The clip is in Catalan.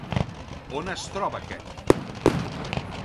On es troba aquest?